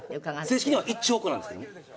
正式には１兆個なんですけどね。